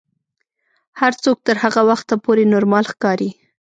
هر څوک تر هغه وخته پورې نورمال ښکاري.